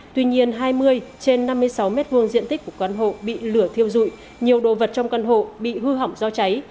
tuy nhiên hai mươi trên năm mươi sáu m hai diện tích của căn hộ bị lửa thiêu dụi nhiều đồ vật trong căn hộ bị hư hỏng do cháy